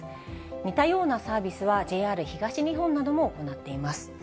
似たようなサービスは、ＪＲ東日本なども行っています。